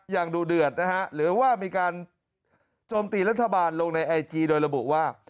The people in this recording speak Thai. ดูเดือดนะฮะหรือว่ามีการโจมตีรัฐบาลลงในไอจีโดยระบุว่า